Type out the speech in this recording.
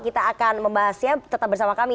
kita akan membahasnya tetap bersama kami